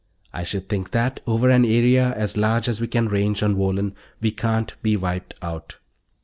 I should think that, over an area as large as we can range on Wohlen, we can't be wiped out."